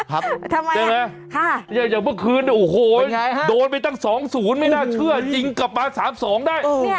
ทำไมใช่ไหมอย่างเมื่อคืนโอ้โหโดนไปตั้ง๒๐ไม่น่าเชื่อจริงกลับมา๓๒ได้